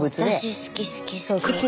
私好き好き好き。